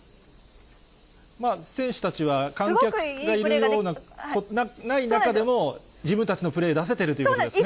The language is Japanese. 選手たちは観客がいない中でも、自分たちのプレー出せてるということですね。